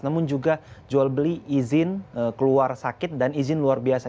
namun juga jual beli izin keluar sakit dan izin luar biasa